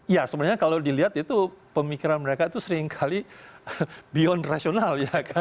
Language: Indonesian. ya sebenarnya kalau dilihat itu pemikiran mereka itu seringkali beyond rasional ya kan